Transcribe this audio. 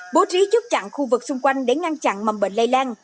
bố trí chốt chặn khu vực xung quanh để ngăn chặn mầm bệnh lây lan